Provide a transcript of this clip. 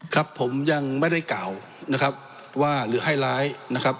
ครับผมยังไม่ได้กล่าวนะครับว่าหรือให้ร้ายนะครับ